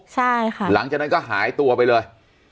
ใช่ค่ะหลังจากนั้นก็หายตัวไปเลย